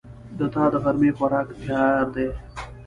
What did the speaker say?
د تا دغرمې خوراک تیار ده